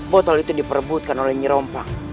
botol itu diperbutkan oleh nyerompak